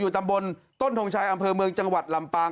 ตำบลต้นทงชัยอำเภอเมืองจังหวัดลำปาง